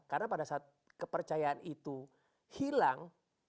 karena pada saat kepercayaan itu hilang